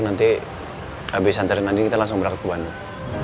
nanti habis antarin andi kita langsung berangkat ke bandung